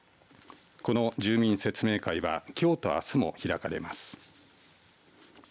この住民説明会はきょうとあすも開かれます。